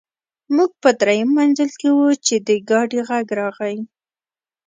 موږ په درېیم منزل کې وو چې د ګاډي غږ راغی